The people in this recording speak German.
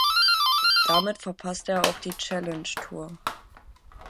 Damit verpasste er auch die Challenge Tour.